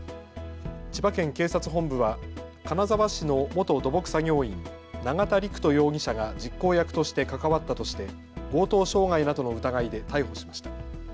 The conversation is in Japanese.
千葉県警察本部は金沢市の元土木作業員、永田陸人容疑者が実行役として関わったとして強盗傷害などの疑いで逮捕しました。